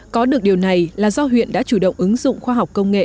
có được điều này là do huyện đã chủ động ứng dụng khoa học công nghệ